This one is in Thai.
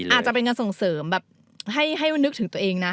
อาจจะเป็นการส่งเสริมแบบให้นึกถึงตัวเองนะ